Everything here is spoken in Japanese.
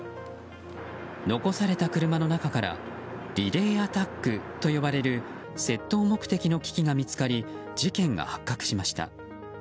残された車の中からリレーアタックと呼ばれる窃盗目的の機器が見つかり事件が発覚しました。